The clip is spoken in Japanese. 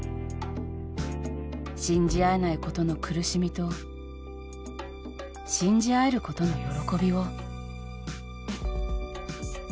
信じ合えないことの苦しみと信じ合えることの喜びを。